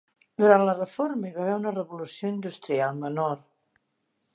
Durant la reforma hi va haver una revolució industrial menor.